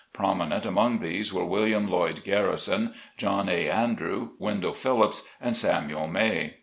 Prominent among these were, William Loyd Garrison, John A. IN BOSTON. 29 Andrew, Wendell Phillips, and Samuel May.